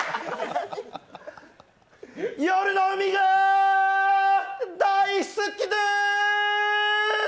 夜の海が大好きでーす！